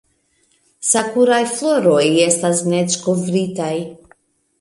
Sakuraj floroj estas neĝkovritaj!